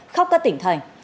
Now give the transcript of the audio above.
khắp các tỉnh thành